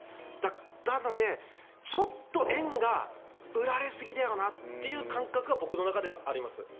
なので、ちょっと円が売られすぎだよなという感覚は僕の中ではあります。